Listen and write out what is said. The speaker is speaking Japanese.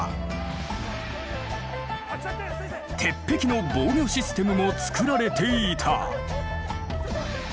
鉄壁の防御システムも作られていた。